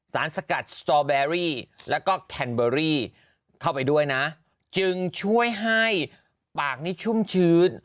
สกัดสตอแบรี่แล้วก็แคนเบอรี่เข้าไปด้วยนะจึงช่วยให้ปากนี้ชุ่มชื้น